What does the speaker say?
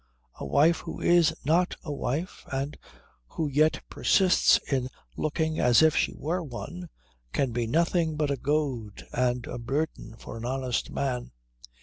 A wife who is not a wife and who yet persists in looking as if she were one, can be nothing but a goad and a burden for an honest man.